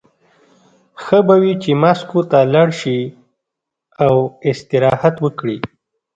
ښه به وي چې مسکو ته لاړ شي او استراحت وکړي